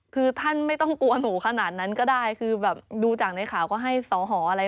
คือท่านไม่ต้องกลัวหนูขนาดนั้นก็ได้คือแบบดูจากในข่าวก็ให้สอหออะไร